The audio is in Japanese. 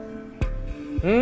うん？